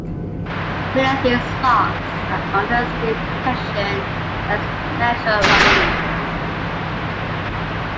Many of these rocks are under state protection as natural monuments.